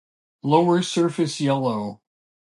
Lower surface yellow.